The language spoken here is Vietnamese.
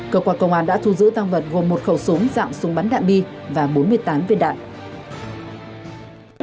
cơ quan công an đã thu giữ tăng vật gồm một khẩu súng dạng súng bắn đạn bi và bốn mươi tám viên đạn